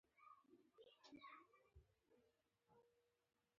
دوی يوازې د يوه ګټور پيغام په لټه کې وي.